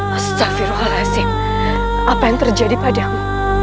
astagfirullahaladzim apa yang terjadi padamu